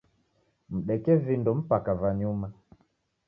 Mdeke vindo mpaka va nyuma.